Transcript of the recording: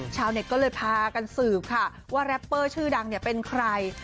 ชาวเน็ตก็เลยพากันสืบค่ะว่าแรปเปอร์ชื่อดังเป็นใคร